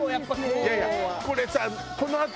いやいやこれさ。